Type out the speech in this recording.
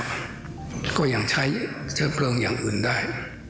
ก็ยังใช้เชื้อเพลิงอย่างอื่นได้